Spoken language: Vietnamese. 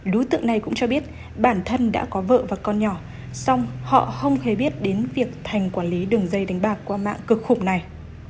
đối tượng này cũng cho biết bản thân đã có vợ và con nhỏ xong họ không hề biết đến việc thành quản lý đường dây đánh bạc qua mạng cực khủng này